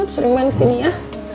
sering main kesini ya